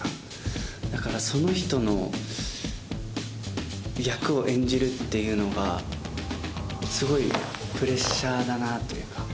だからその人の役を演じるっていうのがすごいプレッシャーだなというか。